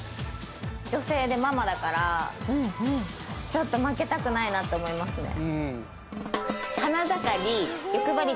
女性でママだからちょっと負けたくないなって思いますね